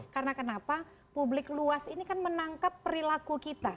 karena kenapa publik luas ini kan menangkap perilaku kita